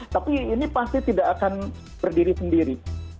tapi ini pasti tidak akan berdiri sendiri